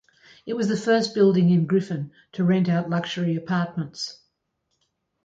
It was the first building in Griffin to rent out luxury apartments.